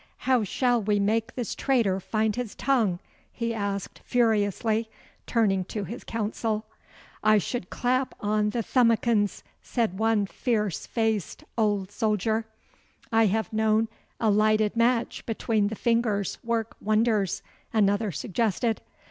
'How shall we make this traitor find his tongue?' he asked furiously, turning to his council. 'I should clap on the thumbikins,' said one fierce faced old soldier. 'I have known a lighted match between the fingers work wonders,' another suggested.